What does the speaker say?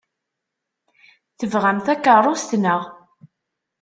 Tebɣam takeṛṛust, naɣ?